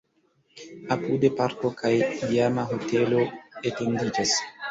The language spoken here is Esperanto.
Apude parko kaj iama hotelo etendiĝas.